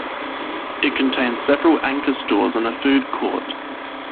It contained several anchor stores and a food court.